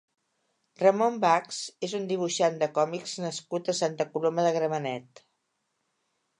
Ramón Bachs és un dibuixant de còmics nascut a Santa Coloma de Gramenet.